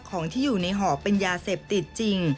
ของที่อยู่ในห่อเป็นยาเสพติดจริง